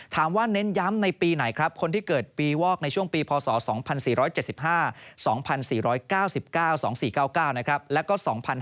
เน้นย้ำในปีไหนครับคนที่เกิดปีวอกในช่วงปีพศ๒๔๗๕๒๔๙๙๒๔๙๙นะครับแล้วก็๒๕๕๙